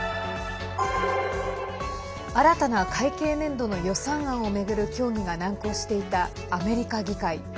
新たな会計年度の予算案を巡る協議が難航していたアメリカ議会。